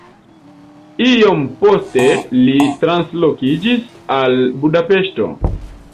Iom poste li translokiĝis al Budapeŝto.